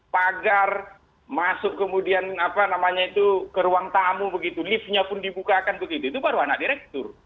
pagar masuk kemudian apa namanya itu ke ruang tamu begitu liftnya pun dibukakan begitu itu baru anak direktur